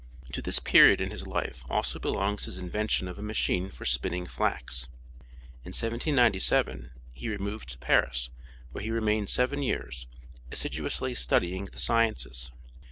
To this period in his life also belongs his invention of a machine for spinning flax. In 1797 he removed to Paris where he remained seven years, assiduously studying the sciences.